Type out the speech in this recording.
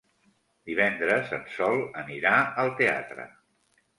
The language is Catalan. Divendres en Sol anirà al teatre.